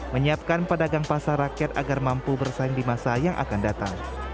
menyiapkan pedagang pasar rakyat agar mampu bersaing di masa yang akan datang